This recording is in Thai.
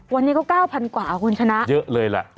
วันนี้ก็๙๐๐กว่าคุณชนะเยอะเลยล่ะ